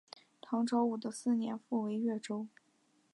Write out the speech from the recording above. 唐朝武德四年复为越州。